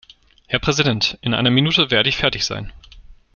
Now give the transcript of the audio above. Herr Präsident, in einer Minute werde ich fertig sein.